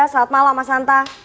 selamat malam mas hanta